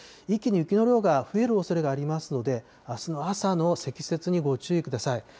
一気に雪の量が増えるおそれがありますので、あすの朝の積雪にご注意ください。